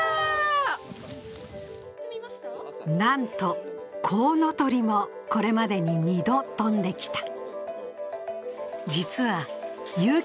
なんとコウノトリもこれまでに２度飛んできた。